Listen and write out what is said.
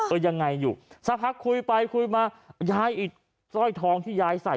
เออยังไงอยู่สักพักคุยไปคุยมายายอีกสร้อยทองที่ยายใส่